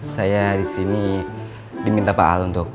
saya disini diminta pak al untuk